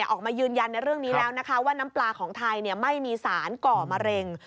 ออกมายืนยันในเรื่องนี้แล้วนะคะว่าน้ำปลาของไทยไม่มีสารก่อมะเร็ง